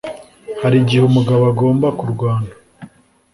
Hari igihe umugabo agomba kurwana.